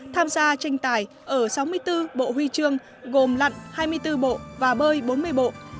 tham gia tranh tài ở sáu mươi bốn bộ huy chương gồm lặn hai mươi bốn bộ và bơi bốn mươi bộ